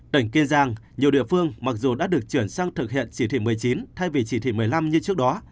tỉnh kiên giang nhiều địa phương mặc dù đã được chuyển sang thực hiện chỉ thị một mươi chín thay vì chỉ thị một mươi năm như trước đó